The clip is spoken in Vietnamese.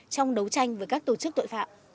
trong đấu tranh với các tổ chức tội phạm